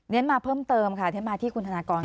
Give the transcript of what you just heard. เน้นมาเพิ่มเติมค่ะเน้นมาที่คุณธนากรก่อน